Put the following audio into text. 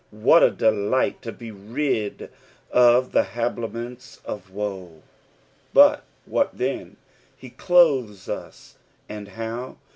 What a delight to be rid of the habiliments of woe I ButnbatthenI He clothes us. And how